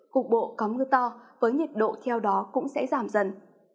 cục bộ có mưa to với nhiệt độ theo đó cũng sẽ giảm dần